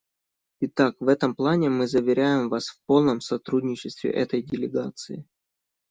Итак, в этом плане мы заверяем Вас в полном сотрудничестве этой делегации.